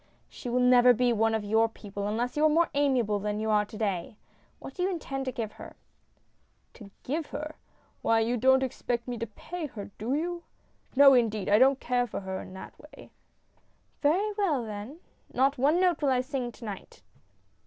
" She will never be one of your people unless you are more amiable than you are to day. What do you intend to give her ?" "To give her? Why, you don't expect me to pay her, do you ? No indeed I I don't care for her in that way." SIGNING THE CONTRACT. 97 "Very well, then. Not one note will I sing to night